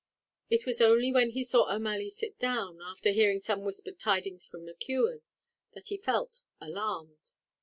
It was only when he saw O'Malley sit down, after hearing some whispered tidings from McKeon, that he felt alarmed.